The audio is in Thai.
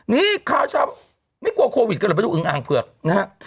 นี่ข้าวชาวไม่กลัวโควิดก็เลยไปดูอึ้งอ่างเผือกนะฮะ